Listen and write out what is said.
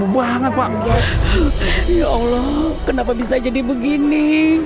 banget pak ya allah kenapa bisa jadi begini